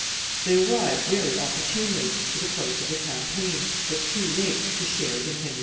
They arrived very opportunely for the close of the campaign, but too late to share in Henry IV.